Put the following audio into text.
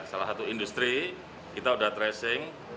salah satu industri kita sudah tracing